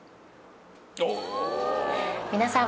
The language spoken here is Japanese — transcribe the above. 皆さん！